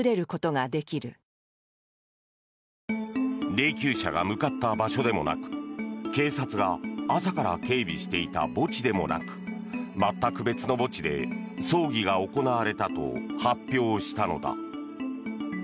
霊きゅう車が向かった場所でもなく警察が朝から警備していた墓地でもなく全く別の墓地で葬儀が行われたと発表したのだ。